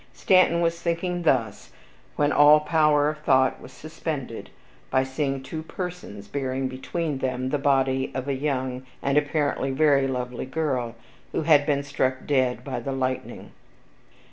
Stanton was thinking thus, when all power of thought was suspended, by seeing two persons bearing between them the body of a young, and apparently very lovely girl, who had been struck dead by the lightning.